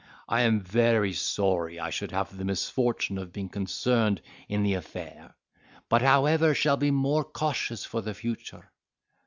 I am very sorry I should have the misfortune of being concerned in the affair, but, however, shall be more cautious for the future.